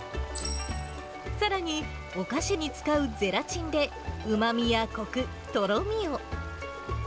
さらにお菓子に使うゼラチンで、うまみやこく、とろみを。